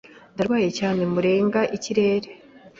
Ndarwaye cyane murega ikirere.